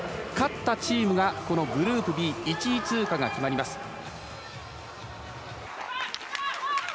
勝ったチームがグループＢ１位通過が決まります。